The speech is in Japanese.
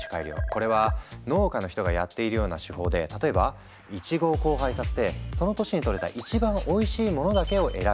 これは農家の人がやっているような手法で例えばイチゴを交配させてその年にとれた一番おいしいものだけを選び